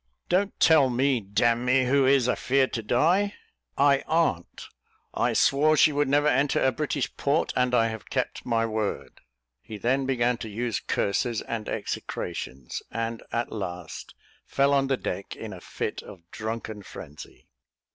"Don't tell me; d n me, who is a feard to die? I arn't. I swore she should never enter a British port, and I have kept my word." He then began to use curses and execrations; and, at last, fell on the deck in a fit of drunken frenzy.